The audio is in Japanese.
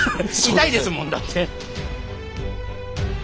痛いですもんだって。